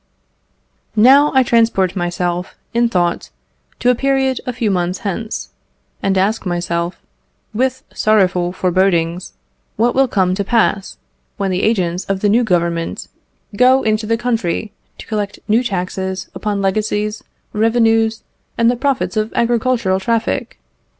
Now, I transport myself, in thought, to a period a few months hence, and ask myself, with sorrowful forebodings, what will come to pass when the agents of the new Government go into the country to collect new taxes upon legacies, revenues, and the profits of agricultural traffic?